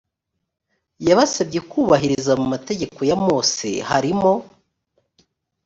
yabasabye kubahiriza mu mategeko ya mose harimo